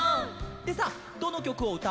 でさどのきょくをうたうの？